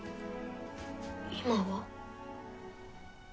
今は？